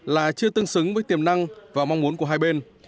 là chưa tương xứng với tiềm năng và mong muốn của hai bên